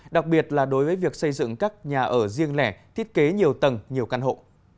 đặc biệt là đối với việc xây dựng các nhà ở riêng lẻ thiết kế nhiều tầng nhiều căn hộ